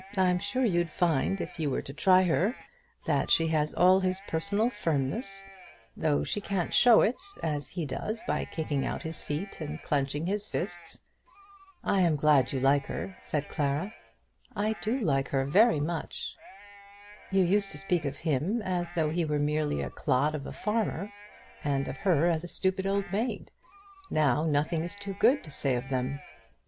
I'm sure you'd find, if you were to try her, that she has all his personal firmness, though she can't show it as he does by kicking out his feet and clenching his fist." "I'm glad you like her," said Clara. "I do like her very much." "It is so odd, the way you have changed. You used to speak of him as though he was merely a clod of a farmer, and of her as a stupid old maid. Now, nothing is too good to say of them."